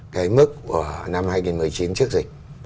cái mức của năm hai nghìn một mươi chín trước dịch